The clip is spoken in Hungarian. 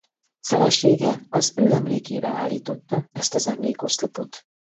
Felesége az ő emlékére állította ezt az emlékoszlopot.